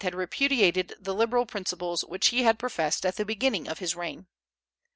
had repudiated the liberal principles which he had professed at the beginning of his reign.